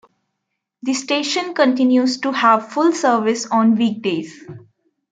The station continues to have full service on weekdays.